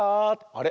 あれ？